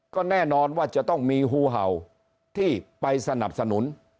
ก็แน่นอนว่าจะต้องมีฮูเห่าที่ไปสนับสนุน